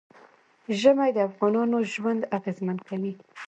ژمی د افغانانو ژوند اغېزمن کوي.